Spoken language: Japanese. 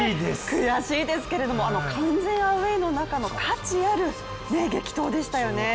悔しいですけども、あの完全アウェーの中の価値ある激闘でしたよね。